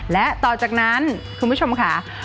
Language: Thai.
และต่อจากนั้นคุณผู้ชมค่ะ